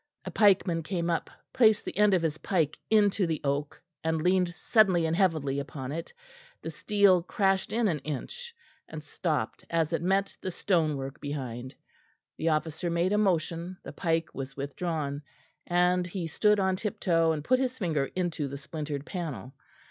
A pikeman came up, placed the end of his pike into the oak, and leaned suddenly and heavily upon it: the steel crashed in an inch, and stopped as it met the stonework behind. The officer made a motion, the pike was withdrawn, and he stood on tip toe and put his finger into the splintered panel.